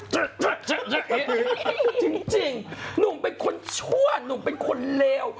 จริงหลวงไปคนชั่วหลวกเป็นคนเลว